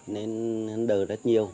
nên anh đợi rất nhiều